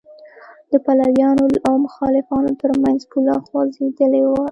د پلویانو او مخالفانو تر منځ پوله خوځېدلې ده.